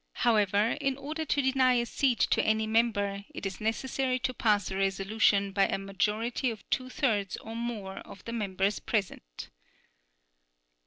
However, in order to deny a seat to any member, it is necessary to pass a resolution by a majority of two thirds or more of the members present.